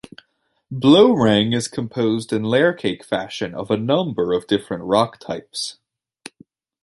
Blorenge is composed in layer-cake fashion of a number of different rock types.